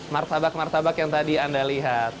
martabak martabak yang tadi anda lihat